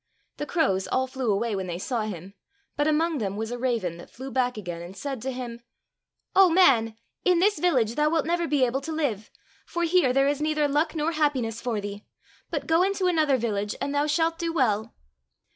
The crows all flew away when they saw him, but among them was a raven that flew back again and said to him, " O man ! in this village thou wilt never be able to live, for here there is neither luck nor happiness for thee, but go into another village and thou shalt do well